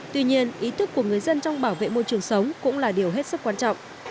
tuy nhiên ý thức của người dân trong bảo vệ môi trường sống cũng là điều hết sức quan trọng